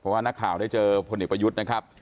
เพราะว่านักข่าวได้เจอพลเอกประยุทธ์นะครับ